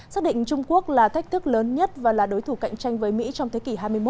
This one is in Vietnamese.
xác định trung quốc là thách thức lớn nhất và là đối thủ cạnh tranh với mỹ trong thế kỷ hai mươi một